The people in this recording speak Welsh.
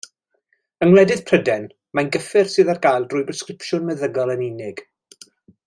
Yng Ngwledydd Prydain mae'n gyffur sydd ar gael trwy bresgripsiwn meddygol yn unig.